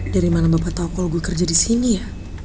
dari mana bapak tau kalau gue kerja disini ya